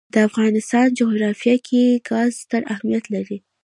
د افغانستان جغرافیه کې ګاز ستر اهمیت لري.